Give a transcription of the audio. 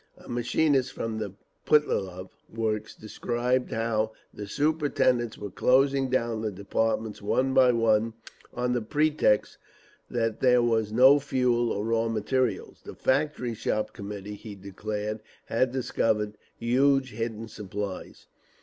A machinist from the Putilov works described how the superintendents were closing down the departments one by one on the pretext that there was no fuel or raw materials. The Factory Shop Committee, he declared, had discovered huge hidden supplies.